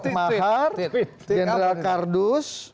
mahar jenderal kardus